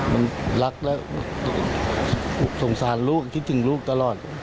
มันรักและสงสารลูกคิดถึงลูกตลอด